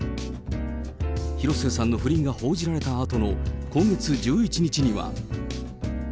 広末さんの不倫が報じられたあとの今月１１日には。